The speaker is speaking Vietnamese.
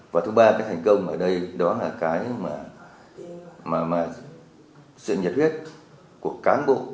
và thứ ba cái thành công ở đây đó là cái mà sự nhiệt huyết của cán bộ